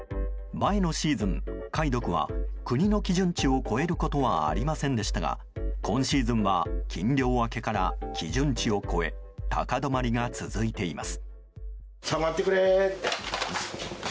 前のシーズン、貝毒は国の基準値を超えることはありませんでしたが今シーズンは禁漁明けから基準値を超え高止まりが続いています。